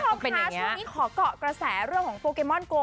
คุณผู้ชมคะช่วงนี้ขอเกาะกระแสเรื่องของโปเกมอนโก